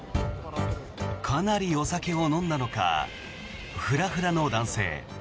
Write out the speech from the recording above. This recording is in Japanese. かなりお酒を飲んだのかフラフラの男性。